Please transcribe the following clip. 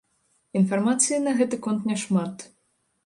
Інфармацыі на гэты конт няшмат.